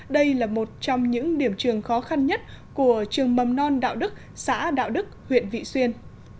đây là một trong những điểm trường khó khăn nhất của trường mầm non đạo đức xã đạo đức huyện vị xuyên